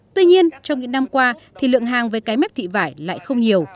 tuy nhiên trong những năm qua thì lượng hàng với cái mép thị vải lại không nhiều